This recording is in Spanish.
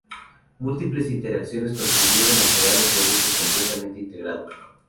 Múltiples iteraciones contribuyen a crear un producto completamente integrado.